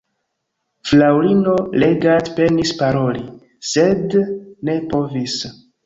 Fraŭlino Leggat penis paroli, sed ne povis.